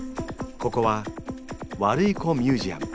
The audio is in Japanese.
ここは「ワルイコミュージアム」。